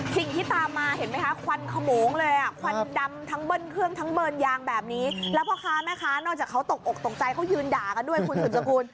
สิ่งที่ตามมาเห็นไหมคะควันขโมงเลยอ่ะควันดำทั้งเบิ้ลเครื่องทั้งเบิร์นยางแบบนี้แล้วพ่อค้าแม่ค้านอกจากเขาตกอกตกใจเขายืนด่ากันด้วยคุณสืบสกุล